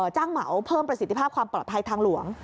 เหมาเพิ่มประสิทธิภาพความปลอดภัยทางหลวง